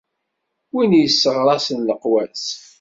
Win i yesseɣrasen leqwas.